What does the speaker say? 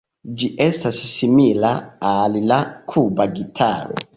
Ĝi estas simila al la Kuba gitaro.